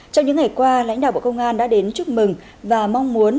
trong những ngày qua lãnh đạo bộ công an đã đến chúc mừng và mong muốn